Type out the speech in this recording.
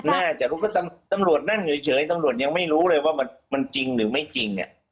น่าจะรู้ก็ตำรวจนั่งเฉยตำรวจยังไม่รู้เลยว่ามันจริงหรือไม่จริง